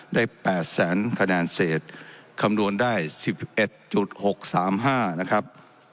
ได้๘แสนคะแนนเศษคำนวณได้๑๑๖๓๕นะครับ